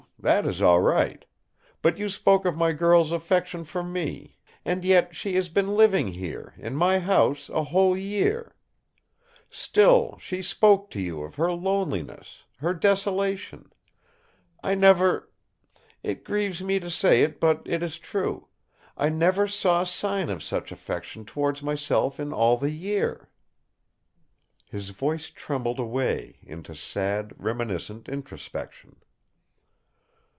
That is all right! But you spoke of my girl's affection for me ... and yet...! And yet she has been living here, in my house, a whole year.... Still, she spoke to you of her loneliness—her desolation. I never—it grieves me to say it, but it is true—I never saw sign of such affection towards myself in all the year!..." His voice trembled away into sad, reminiscent introspection.